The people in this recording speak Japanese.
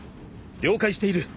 了解している。